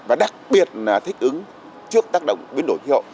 và đặc biệt là thích ứng trước tác động biến đổi khí hậu